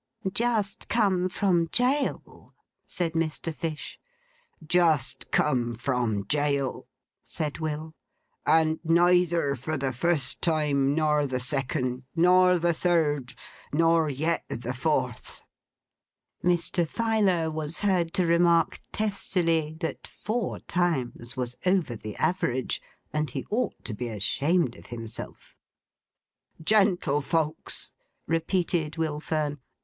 'Just come from jail,' said Mr. Fish. 'Just come from jail,' said Will. 'And neither for the first time, nor the second, nor the third, nor yet the fourth.' Mr. Filer was heard to remark testily, that four times was over the average; and he ought to be ashamed of himself. 'Gentlefolks!' repeated Will Fern.